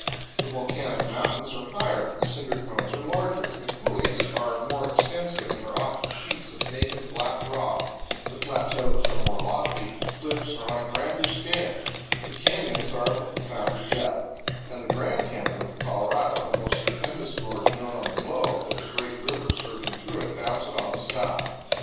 The volcanic mountains are higher, the cinder cones are larger, the coulees are more extensive and are often sheets of naked, black rock, the plateaus are more lofty, the cliffs are on a grander scale, the canyons are of profounder depth; and the Grand Canyon of the Colorado, the most stupendous gorge known on the globe, with a great river surging through it, bounds it on the south.